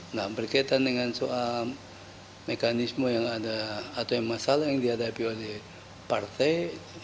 nah berkaitan dengan soal mekanisme yang ada atau masalah yang dihadapi oleh partai